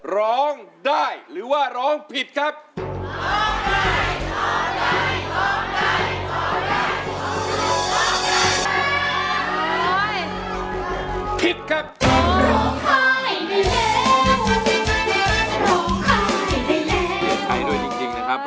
ร้องได้หรือว่าร้องผิดครับ